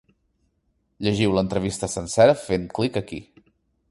Llegiu l’entrevista sencera, fent clic aquí.